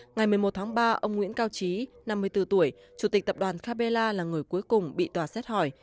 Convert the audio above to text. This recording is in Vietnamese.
ngày một mươi một tháng ba ông nguyễn cao trí năm mươi bốn tuổi chủ tịch tập đoàn capella là người cuối cùng bị tòa xét hỏi